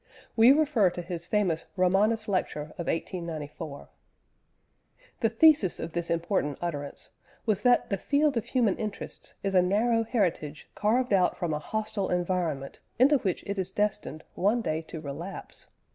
We refer to his famous Romanes Lecture of 1894. The thesis of this important utterance was that the field of human interests is a narrow heritage carved out from a hostile environment into which it is destined one day to relapse.